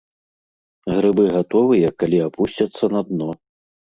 Грыбы гатовыя, калі апусцяцца на дно.